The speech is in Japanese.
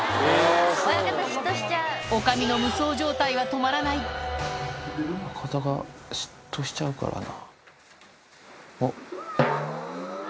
おかみの無双状態は止まらな親方が嫉妬しちゃうからな。